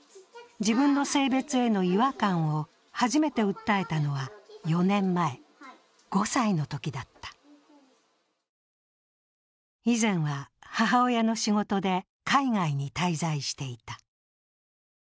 自分の性別への違和感を初めて訴えたのは４年前、５歳のときだった以前は母親の仕事で海外に滞在していた。